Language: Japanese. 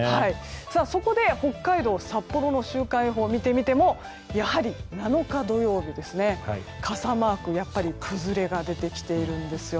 そこで北海道・札幌の週間予報を見てみてもやはり７日土曜日ですね傘マーク、崩れが出てきているんです。